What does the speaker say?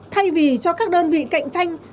thay vì cho các đơn vị cạnh tranh